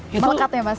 melekat ya pasti